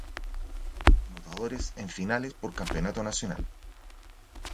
Anotadores en finales por Campeonato Nacional.